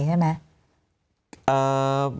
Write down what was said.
ใช่ไหม